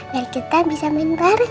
biar kita bisa main bareng